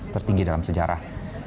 tertinggi dalam sejarah